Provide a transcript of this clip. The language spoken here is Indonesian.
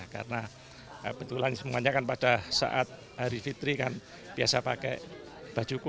karena kebetulan semuanya kan pada saat hari fitri kan biasa pakai baju koko